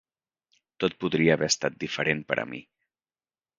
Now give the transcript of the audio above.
Tot podria haver estat diferent per a mi.